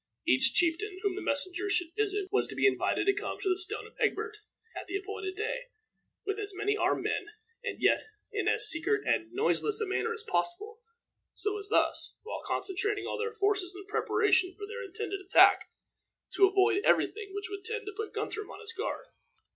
Each chieftain whom the messengers should visit was to be invited to come to the Stone of Egbert at the appointed day, with as many armed men, and yet in as secret and noiseless a manner as possible, so as thus, while concentrating all their forces in preparation for their intended attack, to avoid every thing which would tend to put Guthrum on his guard.